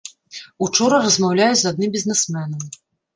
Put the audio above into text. Учора размаўляю з адным бізнесменам.